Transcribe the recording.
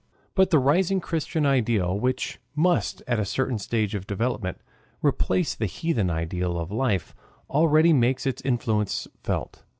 But the rising Christian ideal, which must at a certain stage of development replace the heathen ideal of life, already makes its influence felt.